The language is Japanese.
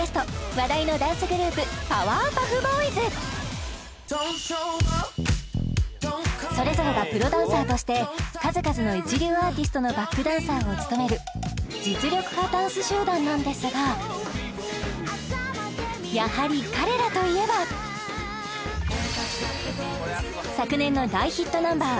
話題のダンスグループそれぞれがプロダンサーとして数々の一流アーティストのバックダンサーを務める実力派ダンス集団なんですが昨年の大ヒットナンバー